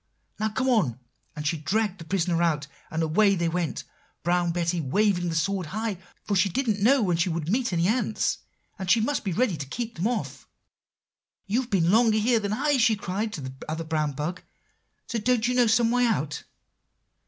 'Now come on;' and she dragged the prisoner out. And away they went, Brown Betty waving the sword high; for she didn't know when she would meet any ants, and she must be ready to keep them off. "'You've been here longer than I,' she cried to the other brown bug; 'don't you know some way out?